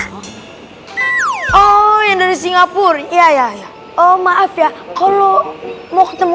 ketemu dong ya kalau mau ketemu dong ya kalau mau ketemu dong ya kalau mau ketemu